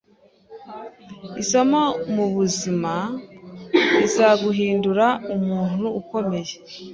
Isomo mubuzima rizaguhindura umuntu ukomeye